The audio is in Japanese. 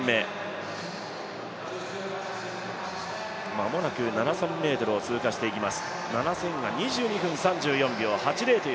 間もなく７０００ｍを通過していきます。